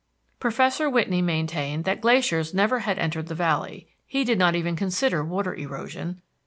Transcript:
Professor Whitney maintained that glaciers never had entered the valley; he did not even consider water erosion.